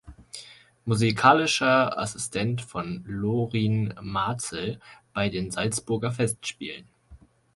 Musikalischer Assistent von Lorin Maazel bei den Salzburger Festspielen.